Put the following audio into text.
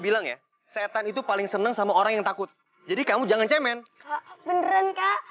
bilang ya setan itu paling seneng sama orang yang takut jadi kamu jangan cemen kak beneran kak